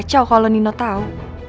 bisa kacau kalau nino tau